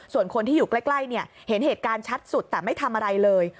ส่วนคนที่อยู่ใกล้เห็นเหตุการณ์ชัดสุดแต่ไม่ทำอะไรเลย